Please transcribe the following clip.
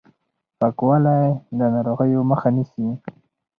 پاکوالی د ناروغیو مخه نیسي.